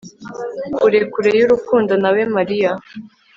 Kure kure yurukundo nawe Mariya